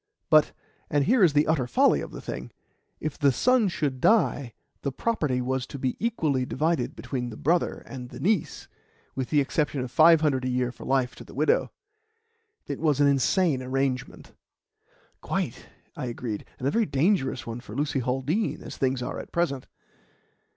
But and here is the utter folly of the thing if the son should die, the property was to be equally divided between the brother and the niece, with the exception of five hundred a year for life to the widow. It was an insane arrangement." "Quite," I agreed, "and a very dangerous one for Lucy Haldean, as things are at present."